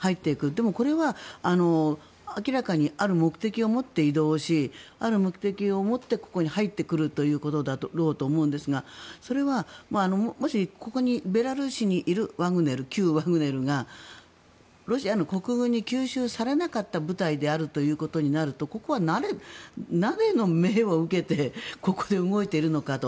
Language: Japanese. でもこれは、明らかにある目的を持って移動しある目的を持ってここに入ってくることだろうと思うんですがそれはもしここにベラルーシにいる旧ワグネルがロシアの国軍に吸収されなかった部隊であるとなるとここは誰の命を受けてここで動いているのかと。